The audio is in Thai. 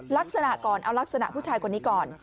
ลักษณะก่อนเอาลักษณะผู้ชายคนนี้ก่อน